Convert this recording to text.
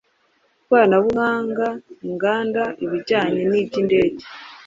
ikoranabuhanga, inganda, ibijyanye n’iby’indege